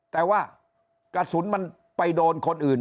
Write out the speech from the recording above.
แต่ว่ากระสุนมันไปโดนคนอื่น